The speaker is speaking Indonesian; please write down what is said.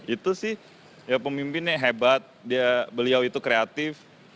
itu sih ya pemimpinnya hebat beliau itu kreatif